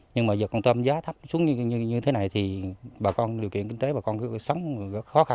nhưng mà giờ con tôm giá thấp xuống như thế này thì điều kiện kinh tế bà con cứ sống khó khăn